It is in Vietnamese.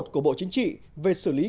của bộ chính trị về xử lý